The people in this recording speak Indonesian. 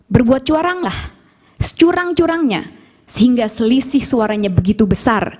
berbuat curanglah securang curangnya sehingga selisih suaranya begitu besar